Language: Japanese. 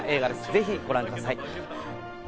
ぜひご覧ください。